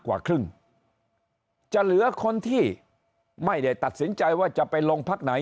กว่าครึ่งจะเหลือคนที่ไม่ได้ตัดสินใจว่าจะไปลงพักไหน